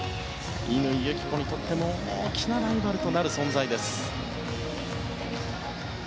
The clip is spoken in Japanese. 乾友紀子にとっても大きなライバルとなる存在です。